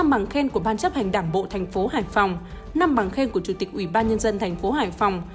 năm bằng khen của ban chấp hành đảng bộ tp hải phòng năm bằng khen của chủ tịch ủy ban nhân dân tp hải phòng